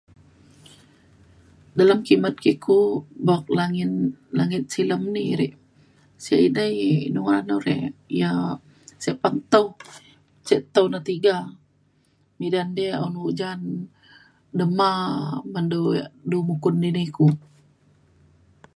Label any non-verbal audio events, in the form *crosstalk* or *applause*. dalem kimet ke ku buk langin langit silem ni ri sik edei nu ngaran nu re yak *unintelligible* tau ce tau na tiga midan di un ujan dema ban du yak du mukun dini ku